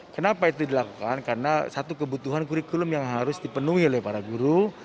kenapa itu dilakukan karena satu kebutuhan kurikulum yang harus dipenuhi oleh para guru